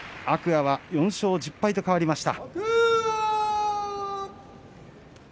天空海は４勝１０敗と変わりました。